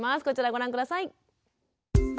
こちらご覧下さい。